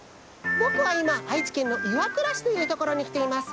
ぼくはいま愛知県の岩倉市というところにきています。